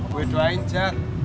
tolong duain jack